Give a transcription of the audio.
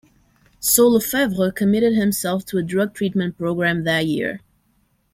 So LeFevre committed himself to a drug treatment program that year.